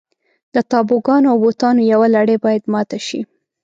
د تابوګانو او بوتانو یوه لړۍ باید ماته شي.